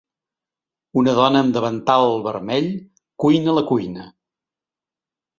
Una dona amb davantal vermell cuina a la cuina.